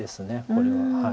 これは。